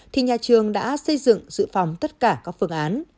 thì nhà trường đã xây dựng dự phòng tất cả các phương án